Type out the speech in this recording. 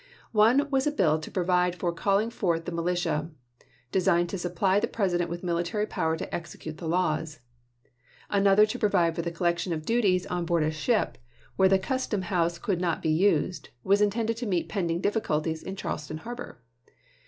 One was a bill to provide for calling forth the militia, designed to supply the President with military power to execute the laws. Another to provide for the collection of duties on board a ship, where the custom house could not be used, was intended to meet pending difficulties in Charleston harbor.